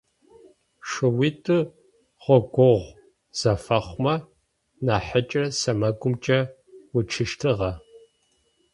Шыуитӏу гъогогъу зэфэхъумэ, нахьыкӏэр сэмэгумкӏэ уцущтыгъэ.